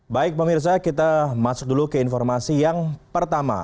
baik pemirsa kita masuk dulu ke informasi yang pertama